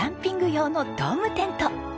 用のドームテント！